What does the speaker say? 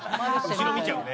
後ろ見ちゃうね。